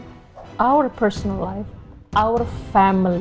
kehidupan pribadi kita keluarga kita